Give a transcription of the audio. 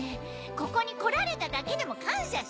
ここに来られただけでも感謝しなさい！